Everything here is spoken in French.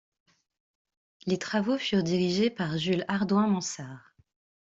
Les travaux furent dirigés par Jules Hardouin-Mansart.